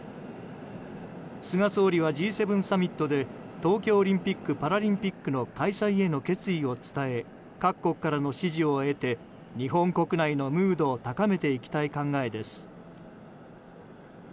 菅総理は、Ｇ７サミットで東京オリンピック・パラリンピックの開催への決意を伝え各国からの支持を得て日本国内のムードを高めていきたい考えです。